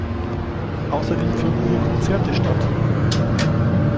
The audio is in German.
Außerdem finden hier Konzerte statt.